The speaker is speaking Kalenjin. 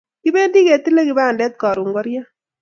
Kipendi ketile kpandet karun koriya